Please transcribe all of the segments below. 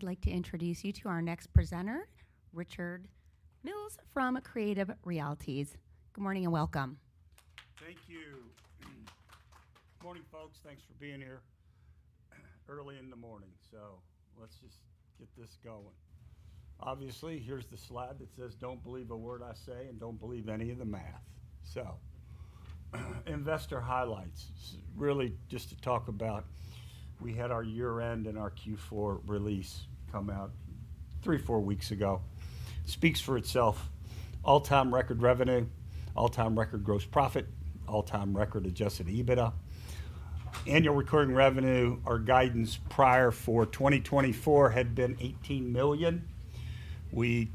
Good morning, everyone. I'd like to introduce you to our next presenter, Richard Mills, from Creative Realities. Good morning, and welcome. Thank you. Good morning, folks. Thanks for being here, early in the morning. So let's just get this going. Obviously, here's the slide that says, "Don't believe a word I say, and don't believe any of the math." So, investor highlights. Really just to talk about. We had our year-end and our Q4 release come out three-four weeks ago. Speaks for itself. All-time record revenue, all-time record gross profit, all-time record adjusted EBITDA. Annual recurring revenue, our guidance prior for 2024 had been $18 million.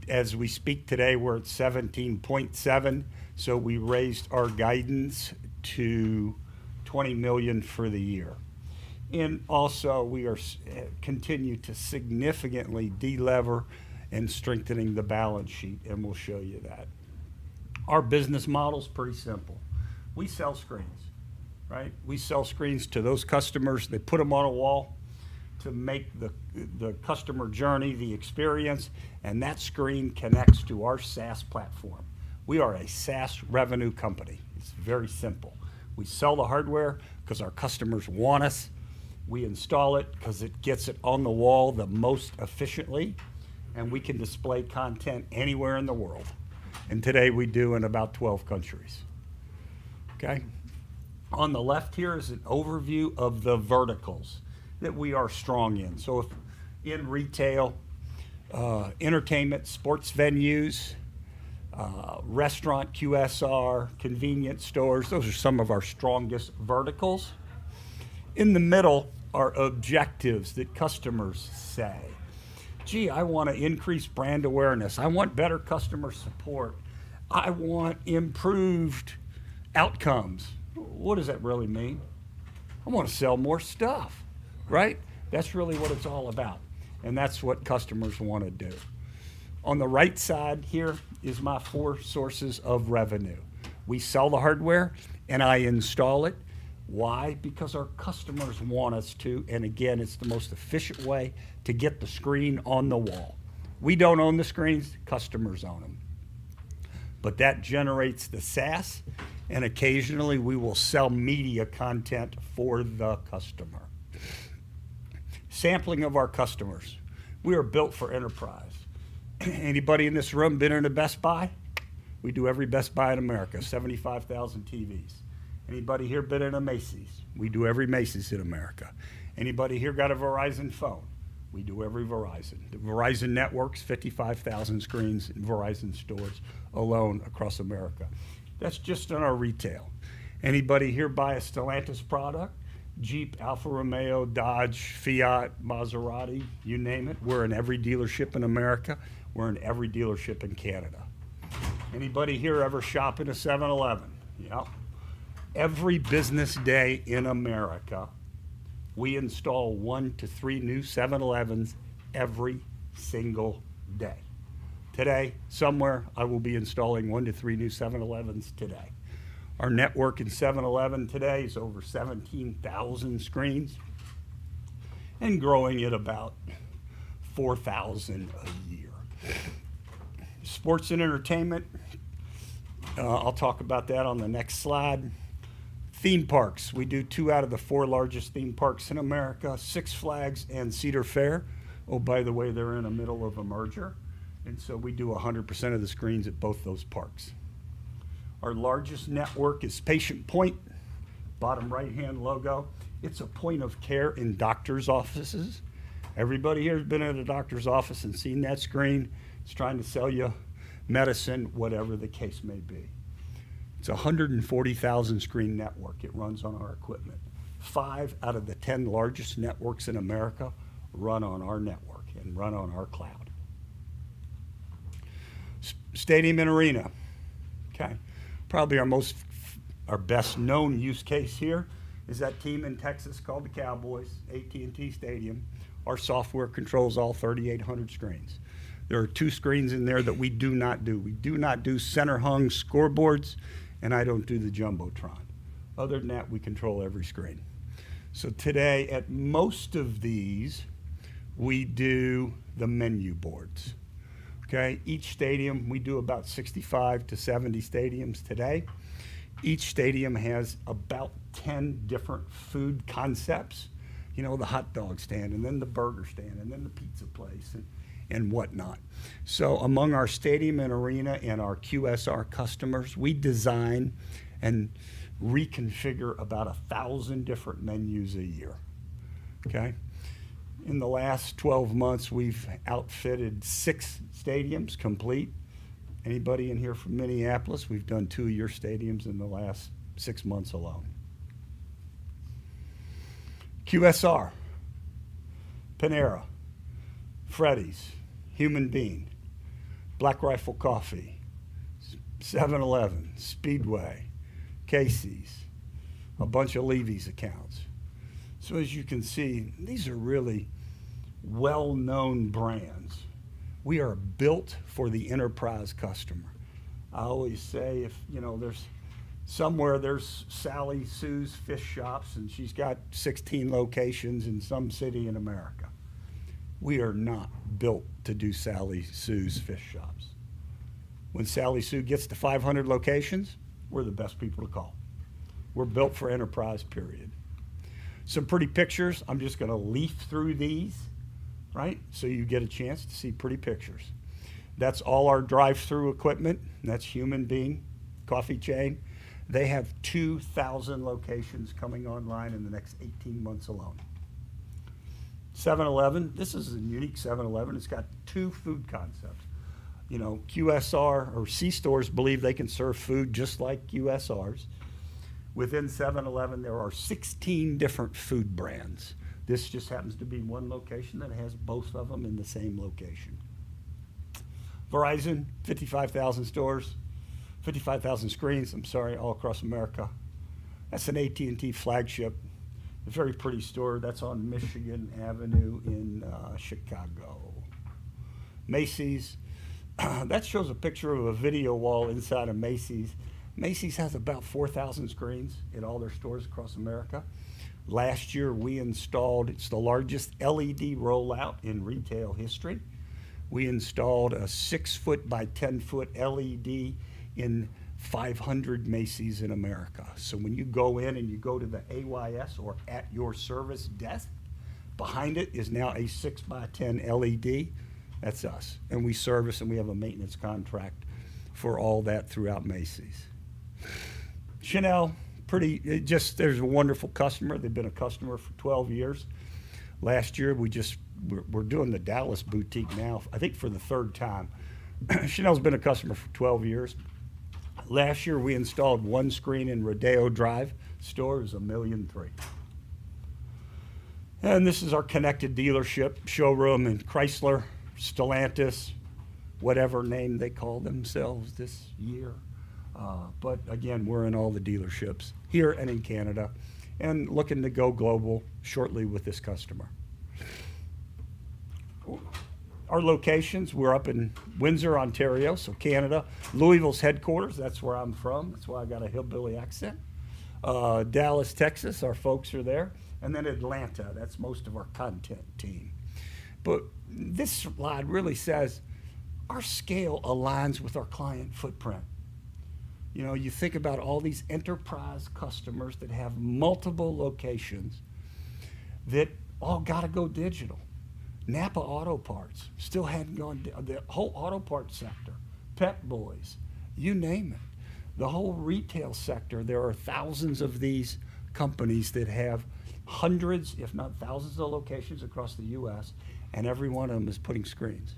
As we speak today, we're at $17.7 million, so we raised our guidance to $20 million for the year. And also, we continue to significantly deleverage and strengthening the balance sheet, and we'll show you that. Our business model is pretty simple. We sell screens, right? We sell screens to those customers. They put them on a wall to make the customer journey, the experience, and that screen connects to our SaaS platform. We are a SaaS revenue company. It's very simple. We sell the hardware because our customers want us. We install it because it gets it on the wall the most efficiently, and we can display content anywhere in the world. And today, we do in about 12 countries. Okay? On the left here is an overview of the verticals that we are strong in. So, in retail, entertainment, sports venues, restaurant, QSR, convenience stores, those are some of our strongest verticals. In the middle are objectives that customers say, "Gee, I wanna increase brand awareness. I want better customer support. I want improved outcomes." What does that really mean? I wanna sell more stuff, right? That's really what it's all about, and that's what customers wanna do. On the right side here is my four sources of revenue. We sell the hardware, and I install it. Why? Because our customers want us to, and again, it's the most efficient way to get the screen on the wall. We don't own the screens; customers own them. But that generates the SaaS, and occasionally, we will sell media content for the customer. Sampling of our customers, we are built for enterprise. Anybody in this room been in a Best Buy? We do every Best Buy in America, 75,000 TVs. Anybody here been in a Macy's? We do every Macy's in America. Anybody here got a Verizon phone? We do every Verizon. The Verizon network's 55,000 screens in Verizon stores alone across America. That's just in our retail. Anybody here buy a Stellantis product? Jeep, Alfa Romeo, Dodge, Fiat, Maserati, you name it, we're in every dealership in America. We're in every dealership in Canada. Anybody here ever shop in a 7-Eleven? Yep. Every business day in America, we install one-three new 7-Elevens every single day. Today, somewhere, I will be installing one-three new 7-Elevens today. Our network in 7-Eleven today is over 17,000 screens and growing at about 4,000 a year. Sports and entertainment, I'll talk about that on the next slide. Theme parks, we do two out of the four largest theme parks in America, Six Flags and Cedar Fair. Oh, by the way, they're in the middle of a merger, and so we do 100% of the screens at both those parks. Our largest network is PatientPoint, bottom right-hand logo. It's a point of care in doctor's offices. Everybody here has been at a doctor's office and seen that screen. It's trying to sell you medicine, whatever the case may be. It's a 140,000-screen network. It runs on our equipment. Five out of the 10 largest networks in America run on our network and run on our cloud. Stadium and arena, okay, probably our most, our best-known use case here is that team in Texas called the Cowboys, AT&T Stadium. Our software controls all 3,800 screens. There are two screens in there that we do not do. We do not do center-hung scoreboards, and I don't do the jumbotron. Other than that, we control every screen. So today, at most of these, we do the menu boards, okay? Each stadium, we do about 65-70 stadiums today. Each stadium has about 10 different food concepts, you know, the hot dog stand and then the burger stand and then the pizza place and, and whatnot. So among our stadium and arena and our QSR customers, we design and reconfigure about 1,000 different menus a year, okay? In the last 12 months, we've outfitted 6 stadiums, complete. Anybody in here from Minneapolis? We've done two of your stadiums in the last six months alone. QSR: Panera, Freddy's, Human Bean, Black Rifle Coffee, 7-Eleven, Speedway, Casey's, a bunch of Levy's accounts. So as you can see, these are really well-known brands We are built for the enterprise customer. I always say, if, you know, there's somewhere, there's Sally Sue's Fish Shops, and she's got 16 locations in some city in America. We are not built to do Sally Sue's Fish Shops. When Sally Sue gets to 500 locations, we're the best people to call. We're built for enterprise, period. Some pretty pictures. I'm just gonna leaf through these, right? So you get a chance to see pretty pictures. That's all our drive-through equipment. That's The Human Bean Coffee chain. They have 2,000 locations coming online in the next 18 months alone. 7-Eleven, this is a unique 7-Eleven. It's got two food concepts. You know, QSR or C-stores believe they can serve food just like QSRs. Within 7-Eleven, there are 16 different food brands. This just happens to be one location that has both of them in the same location. Verizon, 55,000 stores, 55,000 screens, I'm sorry, all across America. That's an AT&T flagship, a very pretty store. That's on Michigan Avenue in Chicago. Macy's, that shows a picture of a video wall inside of Macy's. Macy's has about 4,000 screens in all their stores across America. Last year, we installed. It's the largest LED rollout in retail history. We installed a six-foot by 10-foot LED in 500 Macy's in America. So when you go in and you go to the AYS or At Your Service desk, behind it is now a six by 10 LED. That's us, and we service, and we have a maintenance contract for all that throughout Macy's. Chanel, pretty, it just, there's a wonderful customer. They've been a customer for 12 years. Last year, we just were doing the Dallas boutique now, I think, for the third time. Chanel's been a customer for 12 years. Last year, we installed one screen in Rodeo Drive. Store is $1.3 million. And this is our connected dealership, showroom, and Chrysler, Stellantis, whatever name they call themselves this year. But again, we're in all the dealerships here and in Canada and looking to go global shortly with this customer. Our locations, we're up in Windsor, Ontario, so Canada. Louisville's headquarters, that's where I'm from. That's why I got a hillbilly accent. Dallas, Texas, our folks are there, and then Atlanta, that's most of our content team. But this slide really says, our scale aligns with our client footprint. You know, you think about all these enterprise customers that have multiple locations that all gotta go digital. NAPA Auto Parts still hadn't gone digital—the whole auto parts sector, Pep Boys, you name it. The whole retail sector, there are thousands of these companies that have hundreds, if not thousands, of locations across the U.S., and every one of them is putting screens.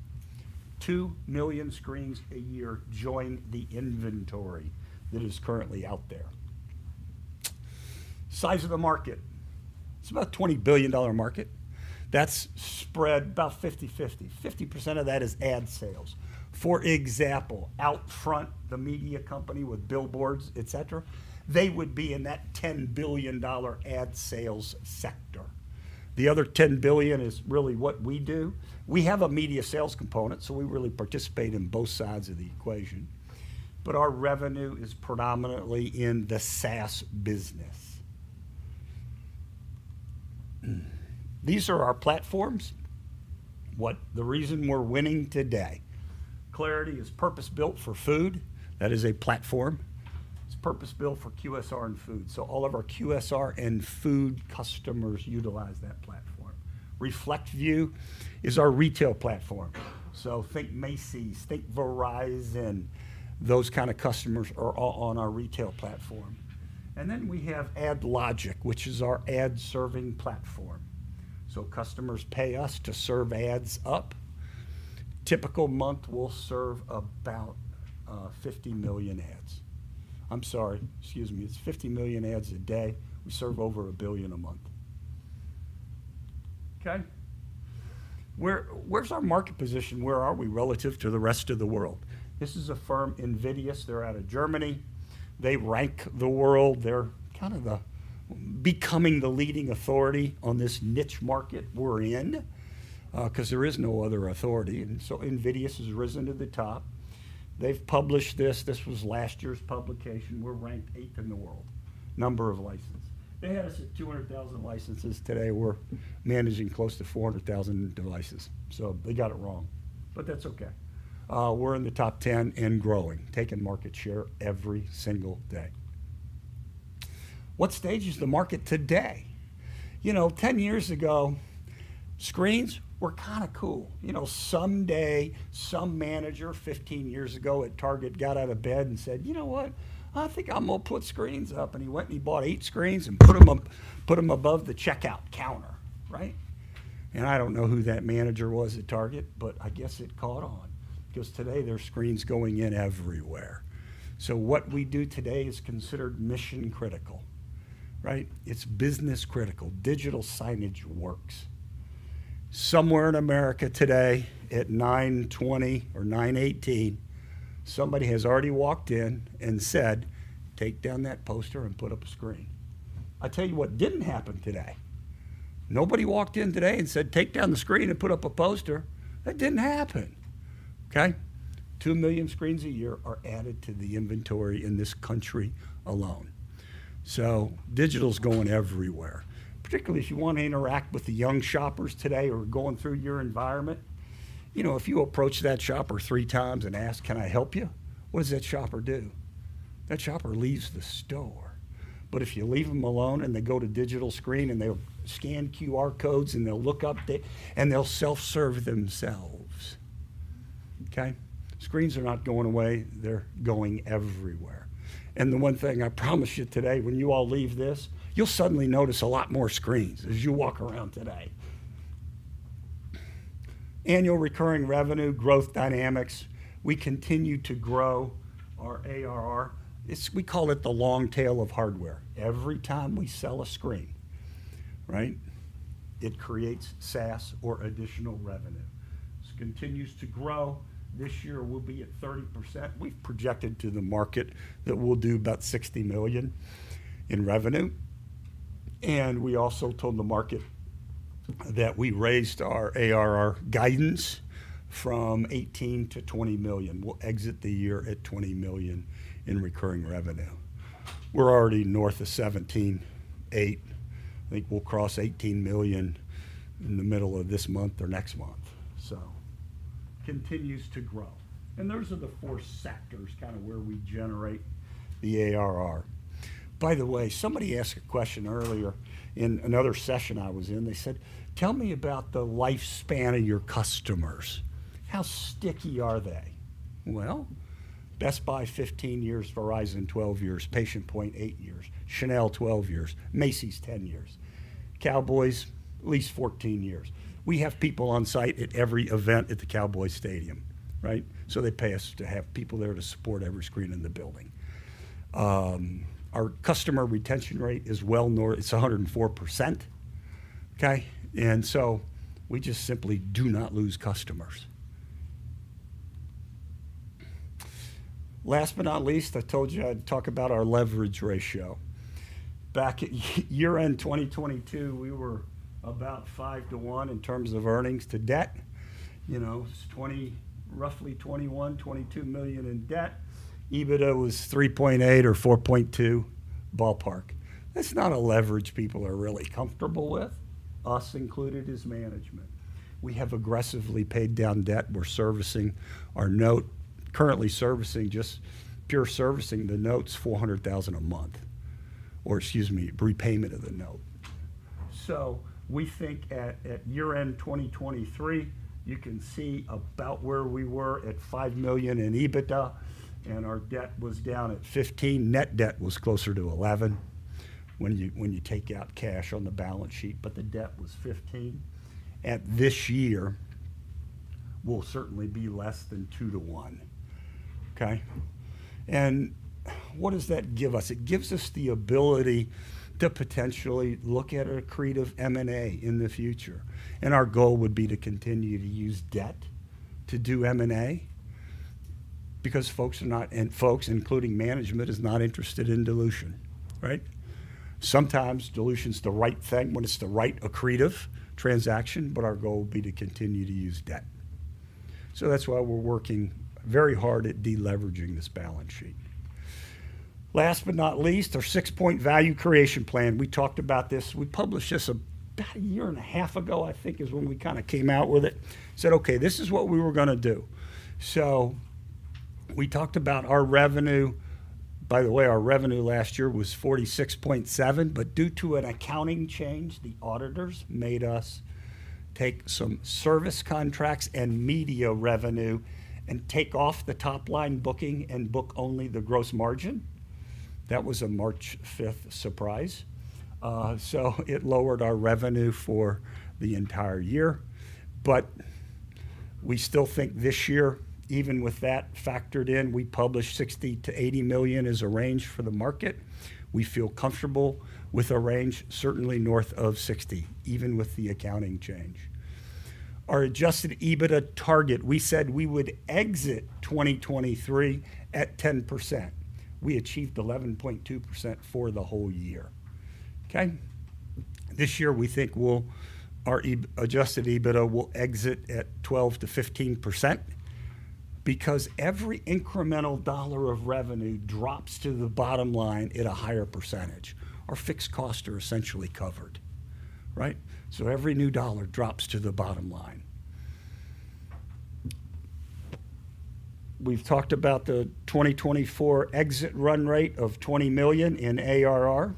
2 million screens a year join the inventory that is currently out there. size of the market. It's about a $20 billion market. That's spread about 50/50. 50% of that is ad sales. For example, OUTFRONT, the media company with billboards, et cetera, they would be in that $10 billion ad sales sector. The other $10 billion is really what we do. We have a media sales component, so we really participate in both sides of the equation, but our revenue is predominantly in the SaaS business. These are our platforms. The reason we're winning today. Clarity is purpose-built for food. That is a platform. It's purpose-built for QSR and food, so all of our QSR and food customers utilize that platform. ReflectView is our retail platform, so think Macy's, think Verizon. Those kind of customers are all on our retail platform. And then we have AdLogic, which is our ad-serving platform. So customers pay us to serve ads up. Typical month, we'll serve about 50 million ads. I'm sorry, excuse me, it's 50 million ads a day. We serve over a billion a month. Okay? Where, where's our market position? Where are we relative to the rest of the world? This is a firm, invidis. They're out of Germany. They rank the world. They're kind of the becoming the leading authority on this niche market we're in, 'cause there is no other authority, so invidis has risen to the top. They've published this. This was last year's publication. We're ranked eighth in the world, number of licenses. They had us at 200,000 licenses. Today, we're managing close to 400,000 devices, so they got it wrong, but that's okay. We're in the top 10 and growing, taking market share every single day. What stage is the market today? You know, 10 years ago, screens were kinda cool. You know, someday, some manager 15 years ago at Target got out of bed and said, "You know what? I think I'm gonna put screens up," and he went and he bought eight screens and put them up- put them above the checkout counter, right? And I don't know who that manager was at Target, but I guess it caught on, because today there are screens going in everywhere. So what we do today is considered mission-critical, right? It's business-critical. Digital signage works. Somewhere in America today, at 9:20 A.M. or 9:18 A.M., somebody has already walked in and said, "Take down that poster and put up a screen." I tell you what didn't happen today. Nobody walked in today and said, "Take down the screen and put up a poster." That didn't happen, okay? 2 million screens a year are added to the inventory in this country alone. So digital's going everywhere, particularly if you want to interact with the young shoppers today who are going through your environment. You know, if you approach that shopper three times and ask, "Can I help you?" What does that shopper do? That shopper leaves the store. But if you leave them alone, and they go to digital screen, and they'll scan QR codes, and they'll look up and they'll self-serve themselves, okay? Screens are not going away, they're going everywhere. And the one thing I promise you today, when you all leave this, you'll suddenly notice a lot more screens as you walk around today. Annual Recurring Revenue, growth dynamics, we continue to grow our ARR. It's. We call it the long tail of hardware. Every time we sell a screen, right, it creates SaaS or additional revenue. This continues to grow. This year, we'll be at 30%. We've projected to the market that we'll do about $60 million in revenue, and we also told the market that we raised our ARR guidance from $18 million to $20 million. We'll exit the year at $20 million in recurring revenue. We're already north of $17.8 million. I think we'll cross $18 million in the middle of this month or next month, so continues to grow. And those are the four sectors kind of where we generate the ARR. By the way, somebody asked a question earlier in another session I was in. They said, "Tell me about the lifespan of your customers. How sticky are they?" Well, Best Buy, 15 years; Verizon, 12 years; PatientPoint, eight years; Chanel, 12 years; Macy's, 10 years; Cowboys, at least 14 years. We have people on site at every event at the Cowboys stadium, right? So they pay us to have people there to support every screen in the building. Our customer retention rate is 104%, okay? And so we just simply do not lose customers. Last but not least, I told you I'd talk about our leverage ratio. Back at year-end 2022, we were about five to one in terms of earnings to debt. You know, it's $21-$22 million in debt. EBITDA was $3.8 or $4.2, ballpark. That's not a leverage people are really comfortable with, us included as management. We have aggressively paid down debt. We're servicing our note, currently servicing, just pure servicing the note's $400,000 a month, or excuse me, repayment of the note. So we think at year-end 2023, you can see about where we were at $5 million in EBITDA, and our debt was down at $15 million. Net debt was closer to $11 million when you take out cash on the balance sheet, but the debt was $15 million. At this year, will certainly be less than two to one, okay? And what does that give us? It gives us the ability to potentially look at accretive M&A in the future, and our goal would be to continue to use debt to do M&A because folks are not, and folks, including management, is not interested in dilution, right? Sometimes dilution is the right thing when it's the right accretive transaction, but our goal will be to continue to use debt. So that's why we're working very hard at deleveraging this balance sheet. Last but not least, our six-point value creation plan. We talked about this. We published this about a year and a half ago, I think is when we kind of came out with it. Said, "Okay, this is what we were gonna do." So we talked about our revenue. By the way, our revenue last year was $46.7, but due to an accounting change, the auditors made us take some service contracts and media revenue and take off the top-line booking and book only the gross margin. That was a March fifth surprise, so it lowered our revenue for the entire year. But we still think this year, even with that factored in, we published 60-80 million as a range for the market. We feel comfortable with a range, certainly north of 60, even with the accounting change. Our adjusted EBITDA target, we said we would exit 2023 at 10%. We achieved 11.2% for the whole year, okay? This year, we think we'll our adjusted EBITDA will exit at 12%-15% because every incremental dollar of revenue drops to the bottom line at a higher percentage. Our fixed costs are essentially covered, right? So every new dollar drops to the bottom line. We've talked about the 2024 exit run rate of $20 million in ARR,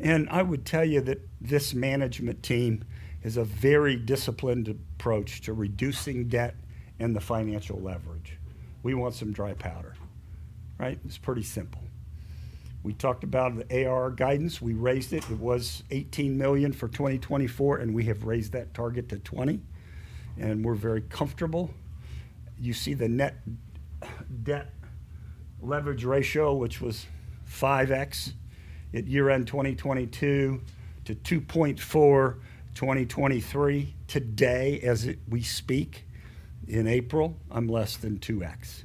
and I would tell you that this management team is a very disciplined approach to reducing debt and the financial leverage. We want some dry powder, right? It's pretty simple. We talked about the ARR guidance. We raised it. It was $18 million for 2024, and we have raised that target to $20 million, and we're very comfortable. You see the net debt leverage ratio, which was 5x at year-end 2022 to 2.4 2023. Today, as we speak in April, I'm less than 2x.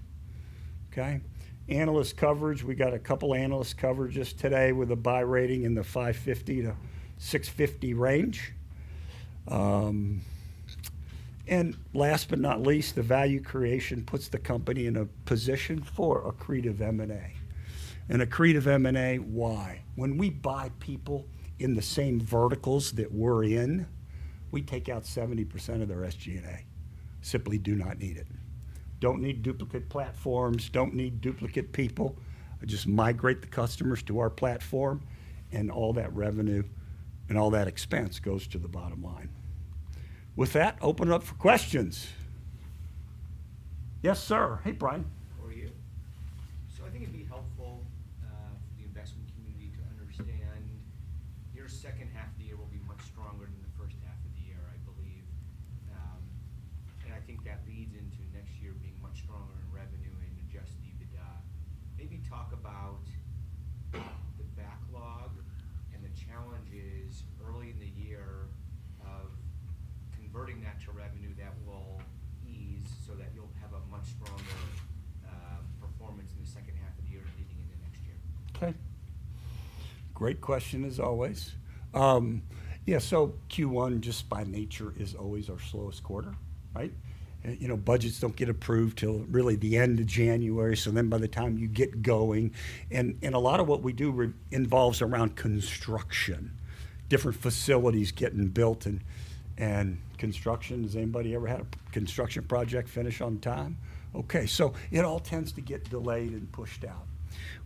Okay? Analyst coverage, we got a couple analyst coverages today with a buy rating in the $5.50-$6.50 range. And last but not least, the value creation puts the company in a position for accretive M&A. And accretive M&A, why? When we buy people in the same verticals that we're in, we take out 70% of their SG&A. Simply do not need it. Don't need duplicate platforms, don't need duplicate people. I just migrate the customers to our platform, and all that revenue and all that expense goes to the bottom line. With that, open it up for questions. Yes, sir. Hey, Brian.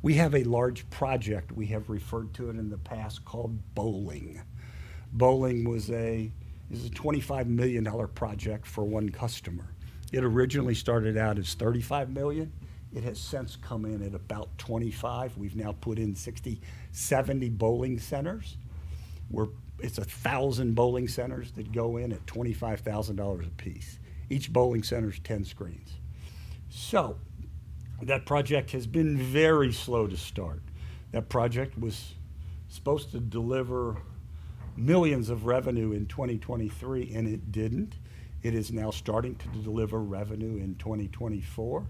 We have a large project, we have referred to it in the past, called Bowling. Bowling was a, It was a $25 million project for one customer. It originally started out as $35 million. It has since come in at about $25 million. We've now put in 60, 70 bowling centers, where it's 1,000 bowling centers that go in at $25,000 a piece. Each bowling center is 10 screens. So that project has been very slow to start. That project was supposed to deliver $ millions of revenue in 2023, and it didn't. It is now starting to deliver revenue in 2024,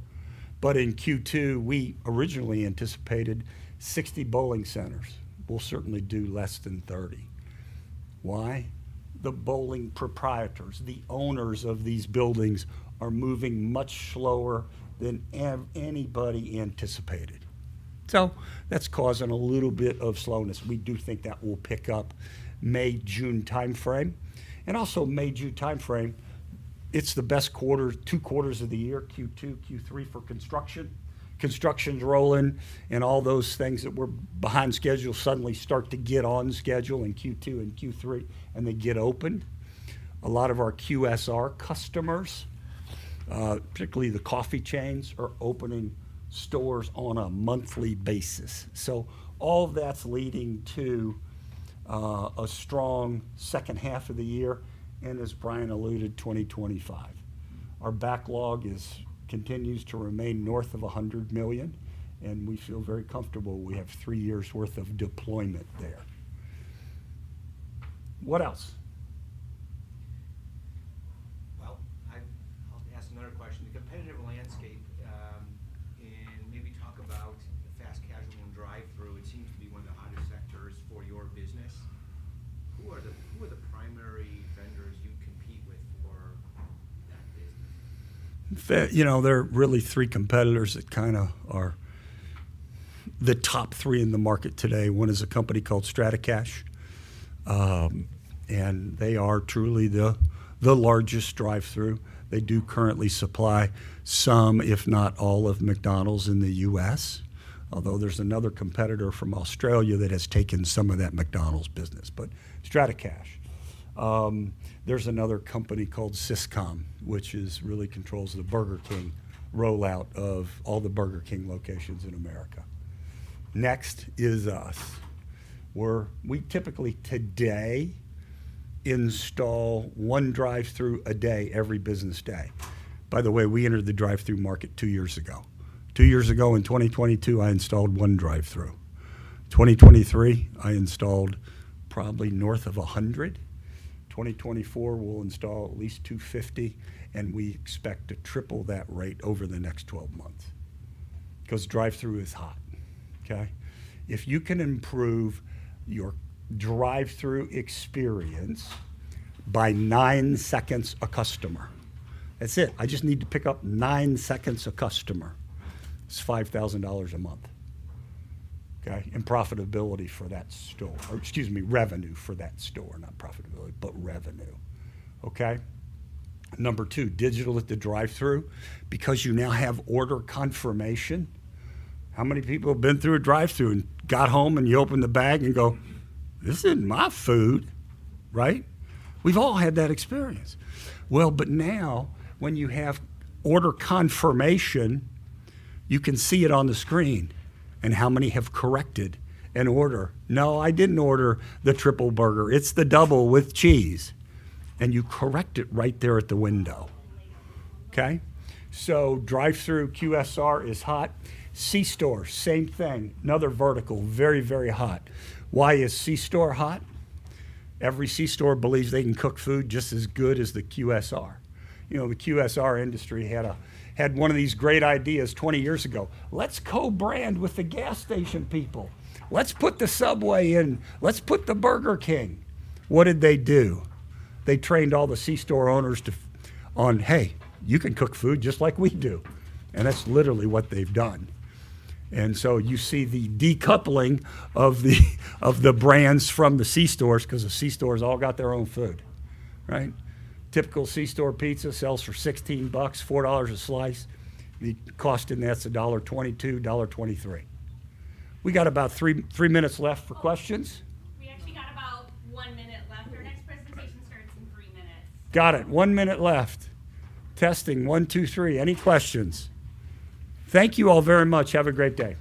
but in Q2, we originally anticipated 60 bowling centers. We'll certainly do less than 30. Why? The bowling proprietors, the owners of these buildings, are moving much slower than anybody anticipated, so that's causing a little bit of slowness. We do think that will pick up May-June timeframe. Also May-June timeframe, it's the best quarter, two quarters of the year, Q2, Q3, for construction. Construction's rolling, and all those things that were behind schedule suddenly start to get on schedule in Q2 and Q3, and they get open. A lot of our QSR customers, particularly the coffee chains, are opening stores on a monthly basis. So all of that's leading to a strong second half of the year, and as Brian alluded, 2025. Our backlog continues to remain north of $100 million, and we feel very comfortable we have three years' worth of deployment there. What else? Well, I'll ask another question. The competitive landscape, and maybe talk about fast casual and drive-through. It seems to be one of the hotter sectors for your business. Who are the, who are the primary vendors you compete with for that business? You know, there are really three competitors that kinda are the top three in the market today. One is a company called STRATACACHE, and they are truly the largest drive-through. They do currently supply some, if not all, of McDonald's in the U.S., although there's another competitor from Australia that has taken some of that McDonald's business, but STRATACACHE. There's another company called SYSCOM, which is really controls the Burger King rollout of all the Burger King locations in America. Next is us, where we typically today install one drive-through a day, every business day. By the way, we entered the drive-through market two years ago. Two years ago, in 2022, I installed one drive-through. 2023, I installed probably north of 100. 2024, we'll install at least 250, and we expect to triple that rate over the next twelve months because drive-through is hot. Okay? If you can improve your drive-through experience by 9 seconds a customer, that's it. I just need to pick up nine seconds a customer. It's $5,000 a month, okay? And profitability for that store. Or excuse me, revenue for that store. Not profitability, but revenue. Okay? Number two, digital at the drive-through, because you now have order confirmation. How many people have been through a drive-through and got home, and you open the bag and go, "This isn't my food?" Right? We've all had that experience. Well, but now, when you have order confirmation, you can see it on the screen. And how many have corrected an order? "No, I didn't order the triple burger. It's the double with cheese." And you correct it right there at the window. Okay? So drive-through QSR is hot. C-store, same thing, another vertical, very, very hot. Why is C-store hot? Every C-store believes they can cook food just as good as the QSR. You know, the QSR industry had a, had one of these great ideas 20 years ago: "Let's co-brand with the gas station people. Let's put the Subway in. Let's put the Burger King." What did they do? They trained all the C-store owners to focus on, "Hey, you can cook food just like we do." And that's literally what they've done. And so you see the decoupling of the, of the brands from the C-stores because the C-stores all got their own food, right? Typical C-store pizza sells for $16, $4 a slice. The cost in that's $1.22, $1.23. We got about three, three minutes left for questions. We actually got about one minute left. Our next presentation starts in three minutes. Got it. one minute left. Testing one, two, three. Any questions? Thank you all very much. Have a great day.